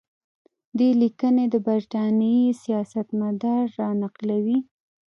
دې لیکنې د برټانیې سیاستمدار را نقلوي.